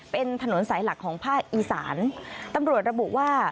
เป็นถนนสายหลักของภาคอีสานตำรวจระบุว่า